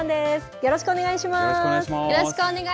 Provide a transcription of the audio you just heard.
よろしくお願いします。